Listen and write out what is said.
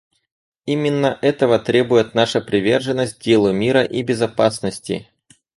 Именно этого требует наша приверженность делу мира и безопасности.